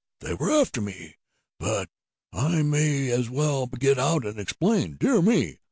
They were after me. But I may as well get out and explain. Dear me!